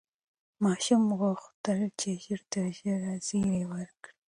ماشوم غوښتل چې ژر تر ژره زېری ورکړي.